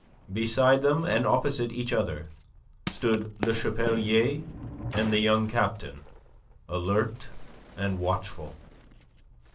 Beside them, and opposite each other, stood Le Chapelier and the young captain, alert and watchful.